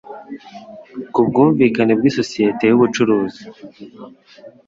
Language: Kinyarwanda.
ku bwumvikane bw isosiyete y ubucuruzi